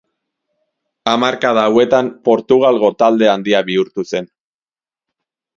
Hamarkada hauetan Portugalgo talde handia bihurtu zen.